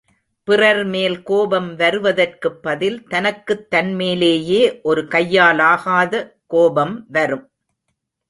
பிறர்மேல் கோபம் வருவதற்குப் பதில் தனக்குத் தன்மேலேயே ஒரு கையாலாகாத கோபம் வரும்.